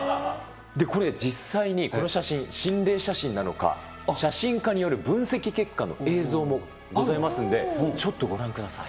これ、実際にこの写真、心霊写真なのか、写真家による分析結果の映像もございますんで、ちょっとご覧ください。